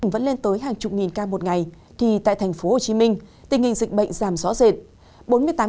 vẫn lên tới hàng chục nghìn ca một ngày thì tại thành phố hồ chí minh tình hình dịch bệnh giảm rõ rệt